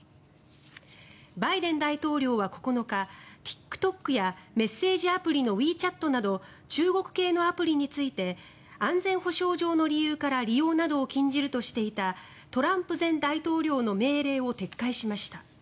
バイデン大統領は９日ＴｉｋＴｏｋやメッセージアプリのＷｅＣｈａｔなど中国系のアプリについて安全保障上の理由から利用などを禁じるとしていたトランプ前大統領の命令を撤回しました。